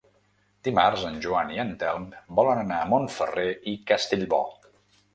Dimarts en Joan i en Telm volen anar a Montferrer i Castellbò.